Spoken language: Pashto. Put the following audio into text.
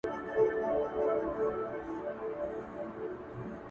نن پښتون پر ویښېدو دی٫